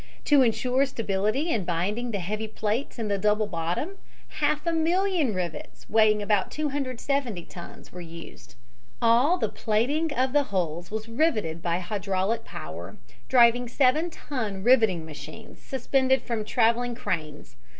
To insure stability in binding the heavy plates in the double bottom, half a million rivets, weighing about 270 tons, were used. All the plating of the hulls was riveted by hydraulic power, driving seven ton riveting machines, suspended from traveling cranes.